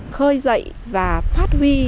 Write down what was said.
khơi dậy và phát huy